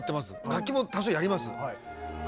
楽器も多少やります。